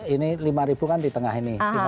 ini lima ribu kan di tengah ini